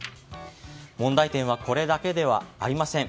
問題点はこれだけではありません。